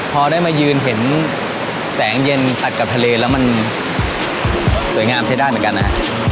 พอได้มายืนเห็นแสงเย็นตัดกับทะเลแล้วมันสวยงามใช้ได้เหมือนกันนะ